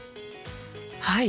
はい！